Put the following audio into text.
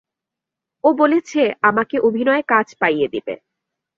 ও বলেছে আমাকে অভিনয়ে কাজ পাইয়ে দিবে।